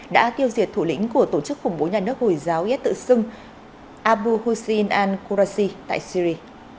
đã tiêu diệt thủ lĩnh của tổ chức khủng bố nhà nước hồi giáo yết tự sưng abu hussein al qurasi tại syri